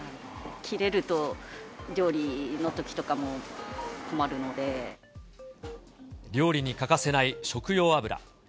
切れると料理のときとかにも困る料理に欠かせない食用油。